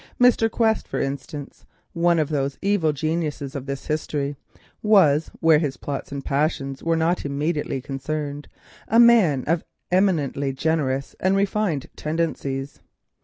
Mr. Quest, for instance, one of the evil geniuses of this history, was, where his plots and passions were not immediately concerned, a man of eminently generous and refined tendencies.